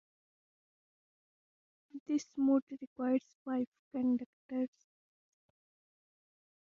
This mode requires five conductors.